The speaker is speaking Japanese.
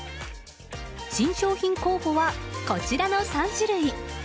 新商品候補はこちらの３種類。